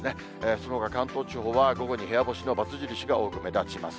そのほか、関東地方は午後に部屋干しの×印が多く目立ちます。